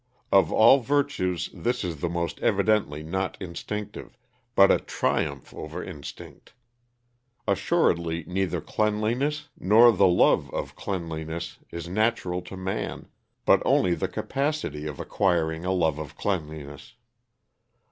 Of all virtues this is the most evidently not instinctive, but a triumph over instinct. Assuredly neither cleanliness nor the love of cleanliness is natural to man, but only the capacity of acquiring a love of cleanliness."